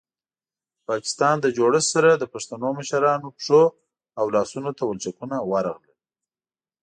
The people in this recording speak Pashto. د پاکستان له جوړښت سره د پښتنو مشرانو پښو او لاسونو ته ولچکونه ورغلل.